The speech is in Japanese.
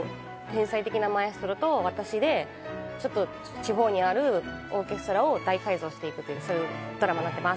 天才的なマエストロと私で地方にあるオーケストラを大改造していくというドラマになっています。